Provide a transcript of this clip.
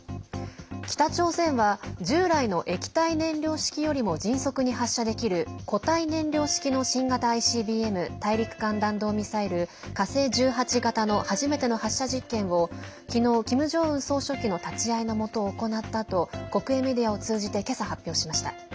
北朝鮮は従来の液体燃料式よりも迅速に発射できる固体燃料式の新型ＩＣＢＭ＝大陸間弾道ミサイル火星１８型の初めての発射実験を昨日、キム・ジョンウン総書記の立ち会いのもと行ったと国営メディアを通じて今朝、発表しました。